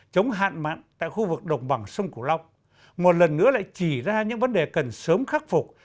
chống hạn mạn tại khu vực đồng bằng sông cửu long một lần nữa lại chỉ ra những vấn đề cần sớm khắc phục